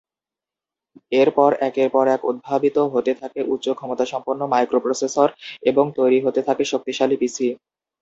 এর পর একের পর এক উদ্ভাবিত হতে থাকে উচ্চ ক্ষমতাসম্পন্ন মাইক্রোপ্রসেসর এবং তৈরি হতে থাকে শক্তিশালী পিসি।